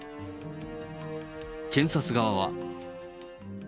検察側は。